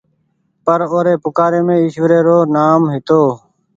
پر اور پوڪآريم ايشوري رو نآم هيتو۔